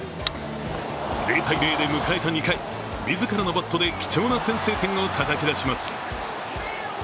０−０で迎えた２回、自らのバットで、貴重な先制点をたたき出します。